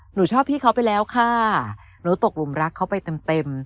หนูชอบพี่เขาไปแล้วค่ะหนูตกหลุมรักเขาไปเต็มเต็ม